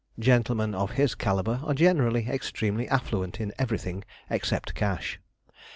Gentlemen of his calibre are generally extremely affluent in everything except cash.